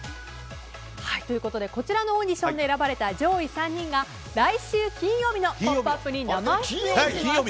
こちらのオーディションで選ばれた上位３人が来週金曜日の「ポップＵＰ！」に生出演します！